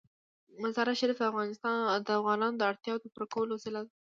مزارشریف د افغانانو د اړتیاوو د پوره کولو وسیله ده.